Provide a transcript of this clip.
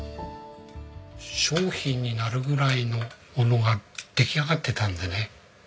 商品になるぐらいのものが出来上がってたんでね。